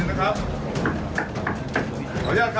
แต่ไม่สามารถเข้าไปได้ครับ